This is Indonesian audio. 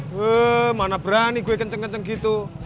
gue mana berani gue kenceng kenceng gitu